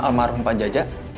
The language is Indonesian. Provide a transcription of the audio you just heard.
almarhum pak jajak